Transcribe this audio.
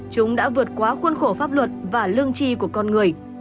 chúng đã vượt qua khuôn khổ pháp luật và lương tri của con người